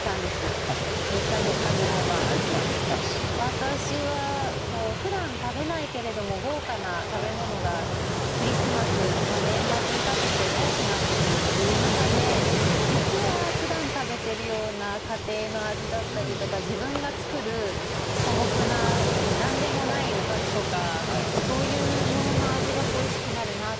私はふだん食べないけれども豪華な食べ物がクリスマス年末にかけて多くなってくるっていう中で実はふだん食べてるような家庭の味だったりとか自分が作る素朴な何でもないおかずとかそういうものの味が恋しくなるなと。